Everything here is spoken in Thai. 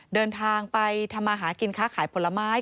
เดินทางไปทำมาหากินค้าขายผลไม้